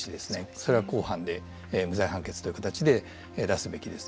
それは公判で無罪判決という形で出すべきです。